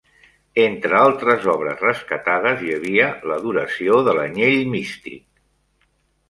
Entre altres obres rescatades hi havia "L'adoració de l'Anyell Místic".